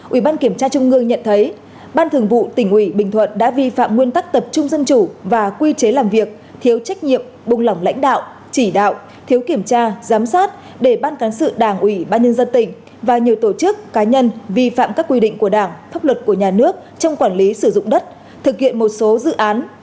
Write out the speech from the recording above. ủy ban kiểm tra trung ương nhận thấy ban thường vụ tỉnh ủy bình thuận đã vi phạm nguyên tắc tập trung dân chủ và quy chế làm việc thiếu trách nhiệm buông lỏng lãnh đạo chỉ đạo thiếu kiểm tra giám sát để ban cán sự đảng ủy ban nhân dân tỉnh và nhiều tổ chức cá nhân vi phạm các quy định của đảng pháp luật của nhà nước trong quản lý sử dụng đất thực hiện một số dự án